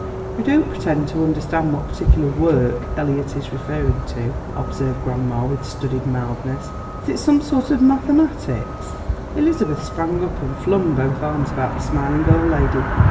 "I don't pretend to understand what particular work Elliot is referring to," observed grandma, with studied mildness. "Is it some sort of mathematics?" Elizabeth sprang up and flung both arms about the smiling old lady.